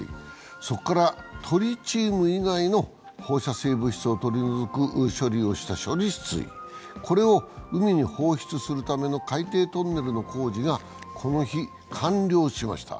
そこからトリチウム以外の放射性物質を取り除く処理をした処理水を海に放出するための海底トンネルの工事がこの日、完了しました。